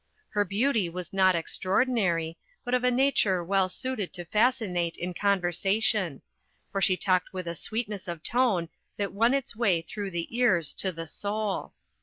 Her beauty was not extraordinary, but of a nature well suited to fascinate in conversation; for she talked with a sweetness of tone that won its way through the ears to the soul.